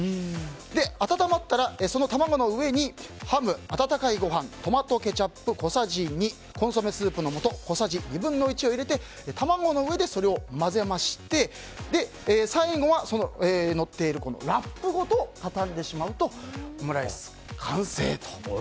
温まったらその卵の上にハム、温かいご飯トマトケチャップ小さじ２コンソメスープのもと小さじ２分の１を入れて卵の上でそれを混ぜまして最後はのっているラップごと畳んでしまうとオムライスの完成と。